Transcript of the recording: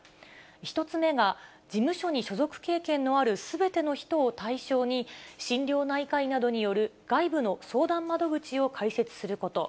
１つ目が事務所に所属経験のあるすべての人を対象に、心療内科医などによる外部の相談窓口を開設すること。